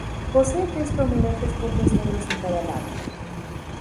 Posee tres prominentes puntos negros en cada lado.